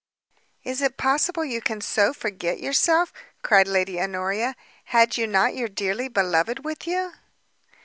"Is it possible you can so forget yourself?" cried Lady Honoria; "had you not your dearly beloved with you?"